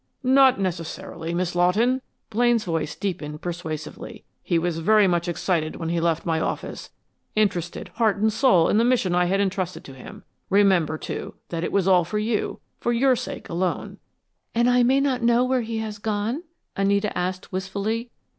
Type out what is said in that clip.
"Not necessarily, Miss Lawton." Blaine's voice deepened persuasively. "He was very much excited when he left my office, interested heart and soul in the mission I had entrusted to him. Remember, too, that it was all for you, for your sake alone." "And I may not know where he has gone?" Anita asked, wistfully.